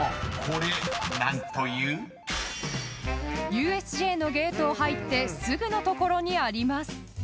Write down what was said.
［ＵＳＪのゲートを入ってすぐの所にあります］